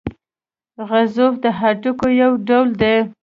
غضروف د هډوکو یو ډول دی.